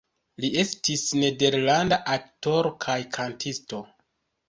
Li estis nederlanda aktoro kaj kantisto.